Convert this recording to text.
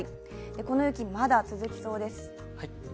この雪、まだ続きそうです。